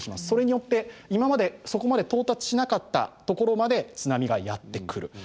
それによって今までそこまで到達しなかったところまで津波がやって来る。